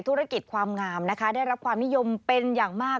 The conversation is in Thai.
ธุรกิจความงามนะคะได้รับความนิยมเป็นอย่างมาก